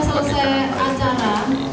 kalau sudah selesai acara